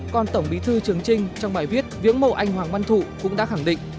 còn tổng bí thư trường trinh trong bài viết viễn mộ anh hoàng oanh thụ cũng đã khẳng định